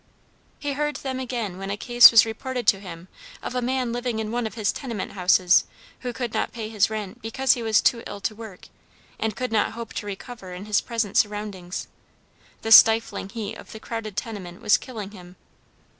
He heard them again when a case was reported to him of a man living in one of his tenement houses, who could not pay his rent because he was too ill to work, and could not hope to recover in his present surroundings. The stifling heat of the crowded tenement was killing him.